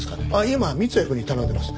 今三ツ矢くんに頼んでます。